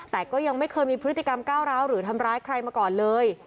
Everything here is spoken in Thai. แต่ก็ยังไม่เคยมีพฤติกรรมก้าวร้าวหรือทำร้ายใครมาก่อนเลย